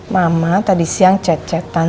mama tadi siang chat chatan